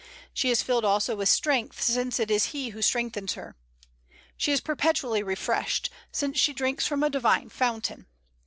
She is filled also with strength, since it is He who strengthens her. She is perpetually refreshed, since she drinks from a divine fountain.